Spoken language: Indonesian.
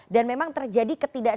dan memang terjadi keadaan yang berbeda